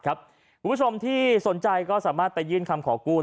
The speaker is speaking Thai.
คุณผู้ชมที่สนใจก็สามารถไปยื่นคำขอกู้